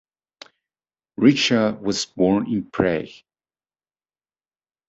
Reicha was born in Prague.